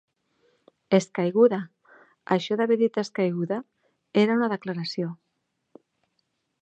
Escaiguda! Això d'haver dit escaiguda, era una declaració.